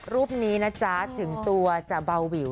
รูปนี้นะจ๊ะถึงตัวจะเบาวิว